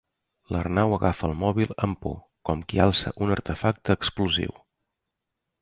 L'Arnau agafa el mòbil amb por, com qui alça un artefacte explosiu.